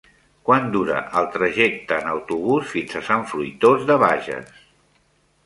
Quant dura el trajecte en autobús fins a Sant Fruitós de Bages?